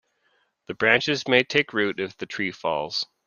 The branches may take root if the tree falls.